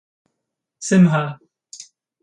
Simha.